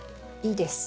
いいです。